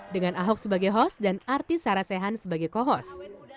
dengan ahok sebagai host dan artis sarah sehan sebagai co host